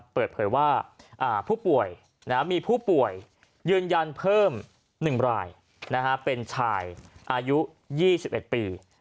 เปิดเผยว่าผู้ป่วยมีผู้ป่วยยืนยันเพิ่ม๑รายเป็นชายอายุ๒๑ปี